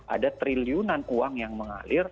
ada triliunan uang yang mengalir